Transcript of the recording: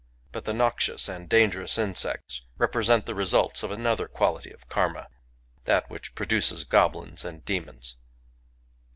But the noxious and dangerous insects represent the results of another quality of karma, — that which produces goblins^and demons.